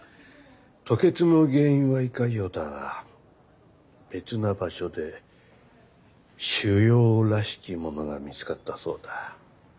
吐血の原因は胃潰瘍だが別な場所で腫瘍らしきものが見つかったそうだ。